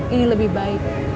ini lebih baik